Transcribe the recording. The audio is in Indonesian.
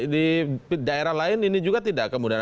di daerah lain ini juga tidak kemudian